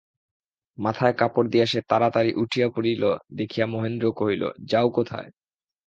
মাথায় কাপড় দিয়া সে তাড়াতাড়ি উঠিয়া পড়িল দেখিয়া মহেন্দ্র কহিল, যাও কোথায়।